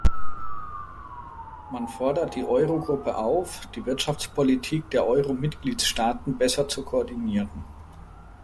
Man fordert die Eurogruppe auf, die Wirtschaftspolitik der Euromitgliedstaaten besser zu koordinieren.